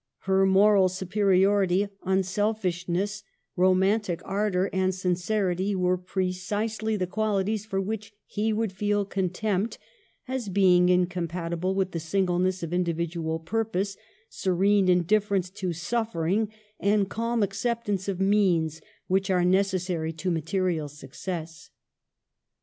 Her moral superiority, unselfishness, romantic ardor and sin cerity, were precisely the qualities for which he would feel contempt, as being incompatible with the singleness of individual purpose, serene indif ference to suffering, and calm acceptance of means which are necessary to material success.